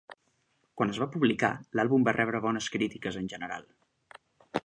Quan es va publicar, l'àlbum va rebre bones crítiques en general.